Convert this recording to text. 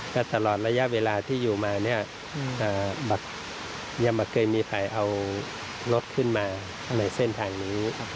ก็ตลอดระยะเวลาที่อยู่มาเนี่ยยังไม่เคยมีใครเอารถขึ้นมาในเส้นทางนี้